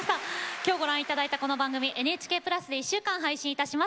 今日ご覧いただいたこの番組ＮＨＫプラスで１週間配信いたします。